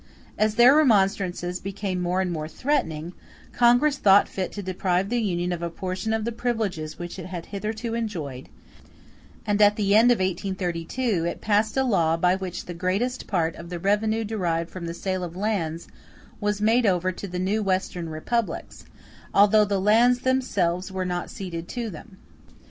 As their remonstrances became more and more threatening, Congress thought fit to deprive the Union of a portion of the privileges which it had hitherto enjoyed; and at the end of 1832 it passed a law by which the greatest part of the revenue derived from the sale of lands was made over to the new western republics, although the lands themselves were not ceded to them.